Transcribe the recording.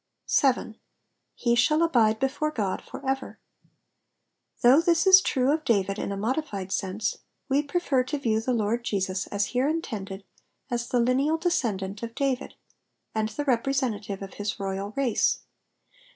7. ife sJuUl abide heft/re God for ecer^ Though this is true of David in a modified sense, we prefer to view the Lord Jesus as here intended as the lineal descendant of David, and the representative of his royal race.